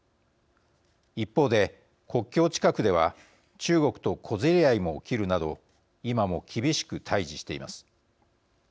一方で、国境近くでは中国と小競り合いも起きるなど今も厳しく対じしています。